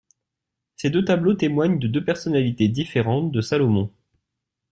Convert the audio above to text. Ces deux tableaux témoignent de deux personnalités différentes de Salomon.